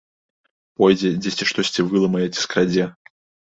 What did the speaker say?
Пойдзе дзесьці штосьці выламае ці скрадзе?